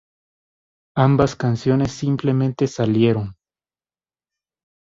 Ambas canciones simplemente salieron.